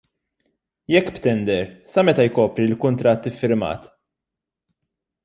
Jekk b'tender, sa meta jkopri l-kuntratt iffirmat?